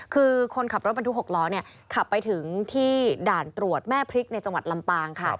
คือคนขับรถบรรทุก๖ล้อขับไปถึงที่ด่านตรวจแม่พริกในจังหวัดลำปางค่ะ